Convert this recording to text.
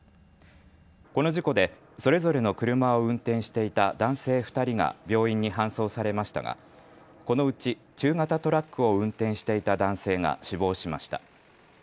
この事故でそれぞれの車を運転していた男性２人が病院に搬送されましたがこのうち中型トラックを運転していた男性が死亡しました。